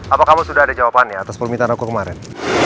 apa kamu sudah ada jawabannya atas permintaan rokok kemarin